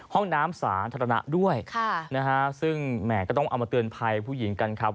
ห้องน้ำสาธารณะด้วยซึ่งแหม่ก็ต้องเอามาเตือนภัยผู้หญิงกันครับ